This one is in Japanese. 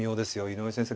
井上先生